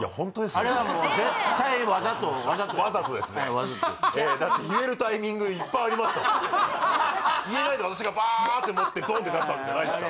あれあれはもう絶対わざとわざとですねだって言えるタイミングいっぱいありましたもん言えないで私がバーッて持ってドンって出したわけじゃないです